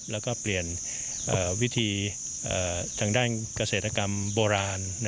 แล้วก็เปลี่ยนวิธีทางด้านเกษตรกรรมโบราณ